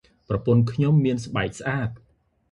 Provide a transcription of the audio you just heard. ប្រពន្ធខ្ញុំមានស្បែកស្អាត។